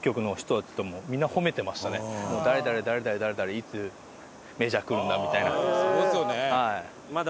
誰々誰々誰々いつメジャー来るんだ？みたいな。